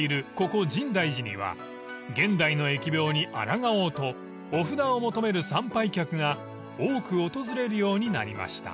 ここ深大寺には現代の疫病にあらがおうとお札を求める参拝客が多く訪れるようになりました］